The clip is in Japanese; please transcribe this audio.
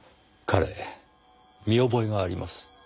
彼見覚えがあります。